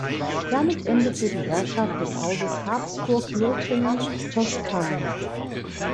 Damit endete die Herrschaft des Hauses Habsburg-Lothringen-Toskana.